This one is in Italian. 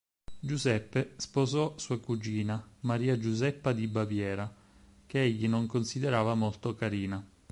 Giuseppe sposò sua cugina, Maria Giuseppa di Baviera, che egli non considerava molto carina.